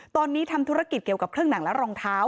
ตอนนี้ทำธุรกิจเกี่ยวกับเครื่องหนังและรองเท้า